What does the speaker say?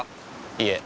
いえ。